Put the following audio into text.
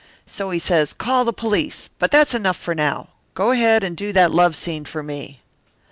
So he says call the police but that's enough for now. Go ahead and do that love scene for me."